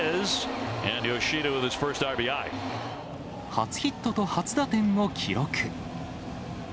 初ヒットと初打点を記録。